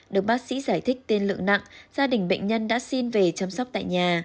được bác sĩ giải thích tiên lượng nặng gia đình bệnh nhân đã xin về chăm sóc tại nhà